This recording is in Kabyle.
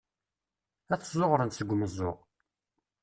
Ad t-zzuɣren seg umeẓẓuɣ.